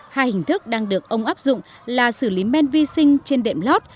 hai hình thức đang được ông áp dụng là xử lý men vi sinh trên đệm lót